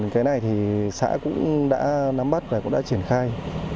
cái này thì xã cũng đã nắm bắt và cũng đã triển khai